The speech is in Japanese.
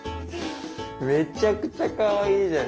めちゃくちゃかわいいじゃん！